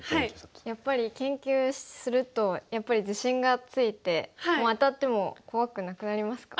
やっぱり研究すると自信がついて当たっても怖くなくなりますか？